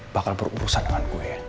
bakal berurusan dengan gue